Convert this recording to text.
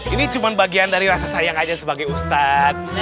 ini cuma bagian dari rasa sayang aja sebagai ustadz